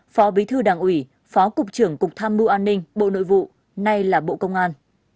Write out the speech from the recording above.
phó bí thư đảng ủy phó cục trưởng cục tham mưu an ninh bộ nội vụ nay là bộ công an